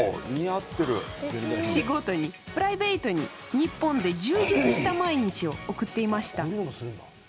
仕事にプライベートに日本で充実した毎日を送っていました。